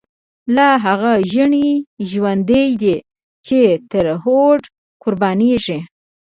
لا هغه ژڼۍ ژوندۍ دی، چی تر هوډه قربانیږی